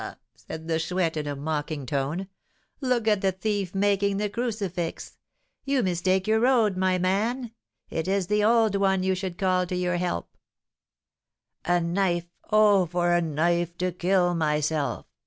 said the Chouette, in a mocking tone; "look at the thief making the crucifix! You mistake your road, my man. It is the 'old one' you should call to your help." "A knife! Oh, for a knife to kill myself!